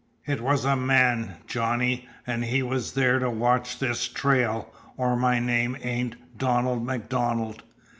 It was a man, Johnny, an' he was there to watch this trail, or my name ain't Donald MacDonald.